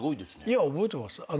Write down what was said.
いや覚えてます。